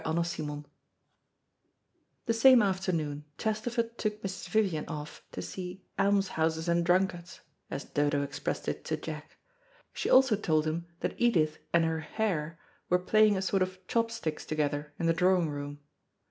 CHAPTER SIX The same afternoon Chesterford took Mrs. Vivian off to see "almshouses and drunkards," as Dodo expressed it to Jack. She also told him that Edith and her Herr were playing a sort of chopsticks together in the drawing room.